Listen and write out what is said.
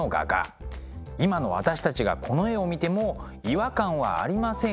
今の私たちがこの絵を見ても違和感はありませんが。